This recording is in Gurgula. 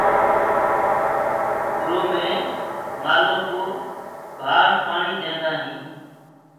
اُرو مين مآلو ڪو ڀآڻ پآڻي ديندآ هين تو